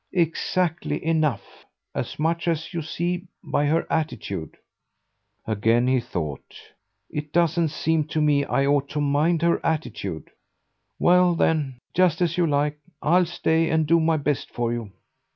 "Exactly enough. As much as you see by her attitude." Again he thought. "It doesn't seem to me I ought to mind her attitude." "Well then, just as you like. I'll stay and do my best for you."